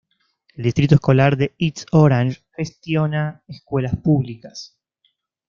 El Distrito Escolar de East Orange gestiona escuelas públicas.